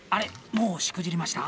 もうしくじりました？